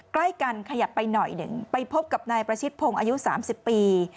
ใกล้กันขยับไปหน่อยหนึ่งไปพบกับนายประชิดพงศ์อายุ๓๐ปี